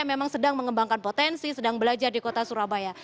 yang memang sedang mengembangkan potensi sedang belajar di kota surabaya